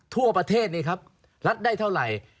ทั่วประเทศรัดได้เท่าไหร่